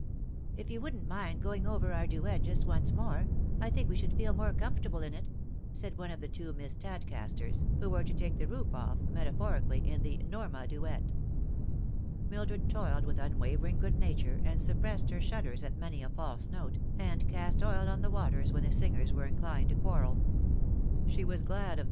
If you wouldn't mind going over our duet just once more, I think we should feel more comfortable in it," said one of the two Miss Tadcasters, who were to take the roof off, meta phorically, in the Norma duet. Mildred toiled with unwavering good nature, and suppressed her shudders at many a false note, and cast oil on the waters when the singers were inclined to quarrel She was glad of the 124 The Fatal Three.